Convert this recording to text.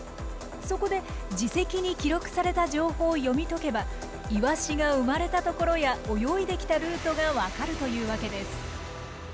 そこで耳石に記録された情報を読み解けばイワシが生まれたところや泳いできたルートがわかるというわけです。